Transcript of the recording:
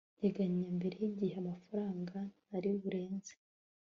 nteganya mbere y igihe amafaranga ntari burenze